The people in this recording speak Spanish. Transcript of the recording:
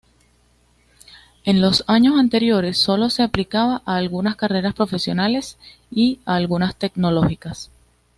En los años anteriores solo se aplicaba a algunas carreras profesionales y algunas tecnológicas.